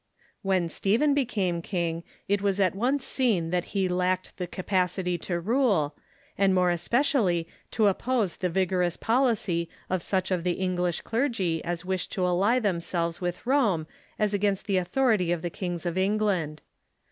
When Stephen became king it was at once seen that he lacked the capacity to rule, and more especially to oppose the vigorous policy of such of the English clergy as Avished to ally them selves with Rome as against the authority of the kings of England.